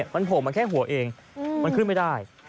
มันโผล่มาแค่หัวเองมันขึ้นไม่ได้